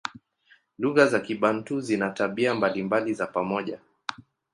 Lugha za Kibantu zina tabia mbalimbali za pamoja.